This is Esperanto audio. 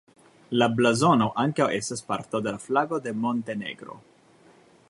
La blazono ankaŭ estas parto de la flago de Montenegro.